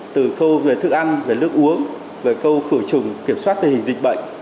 từ câu về thức ăn về nước uống về câu khử trùng kiểm soát thể hình dịch bệnh